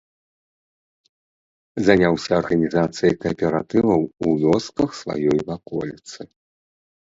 Заняўся арганізацыяй кааператываў у вёсках сваёй ваколіцы.